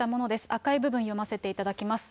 赤い部分、読ませていただきます。